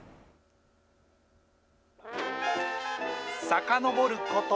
さかのぼること